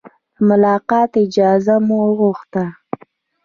د ملاقات اجازه مو وغوښته.